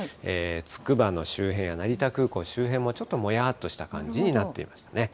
つくばの周辺や成田空港周辺もちょっともやっとした感じになっていますね。